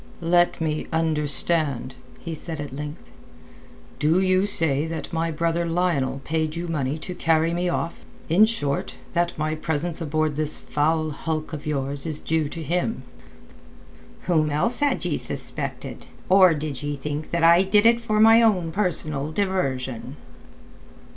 "Let me understand," he said at length. "Do you say that my brother Lionel paid you money to carry me off—in short, that my presence aboard this foul hulk of yours is due to him?" "Whom else had ye suspected? Or did ye think that I did it for my own personal diversion?"